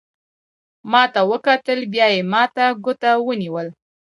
ما ته وکتل، بیا یې ما ته ګوته ونیول.